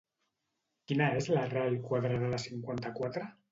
Quina és l'arrel quadrada de cinquanta-quatre?